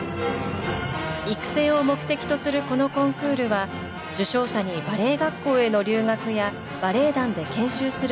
育成を目的とするこのコンクールは受賞者にバレエ学校への留学やバレエ団で研修する機会を与え